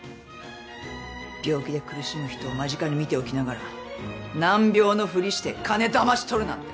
病気で苦しむ人を間近に見ておきながら難病のふりして金だまし取るなんて。